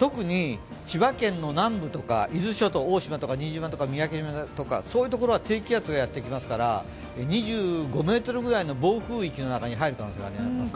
特に千葉県の南部とか伊豆諸島、大島、新島、三宅島とか低気圧がやってきますから、２５メートルぐらいの暴風域の中に入る可能性があります。